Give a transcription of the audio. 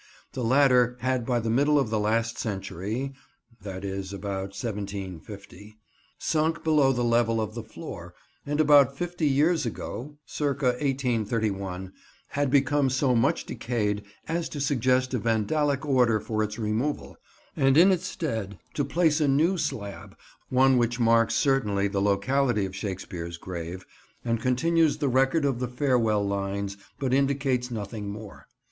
The latter had by the middle of the last century (i.e. about 1750) sunk below the level of the floor, and about fifty years ago (c. 1831) had become so much decayed as to suggest a vandalic order for its removal, and in its stead to place a new slab, one which marks certainly the locality of Shakespeare's grave, and continues the record of the farewell lines, but indicates nothing more.